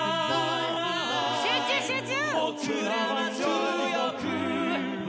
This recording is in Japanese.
集中集中！